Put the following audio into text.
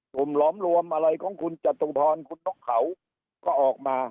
หลอมรวมอะไรของคุณจตุพรคุณนกเขาก็ออกมา